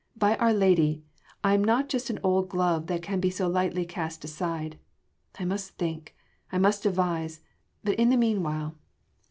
By our Lady! I am not just an old glove that can so lightly be cast aside. I must think ... I must devise.... But in the meanwhile...."